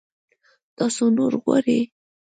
تاسو نور غواړئ؟